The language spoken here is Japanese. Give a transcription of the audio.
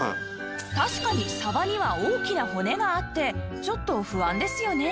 確かにさばには大きな骨があってちょっと不安ですよね。